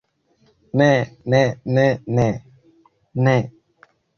Ne ne ne ne. Ne.